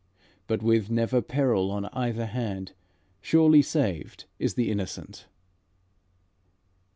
But with never peril on either hand, Surely saved is the innocent."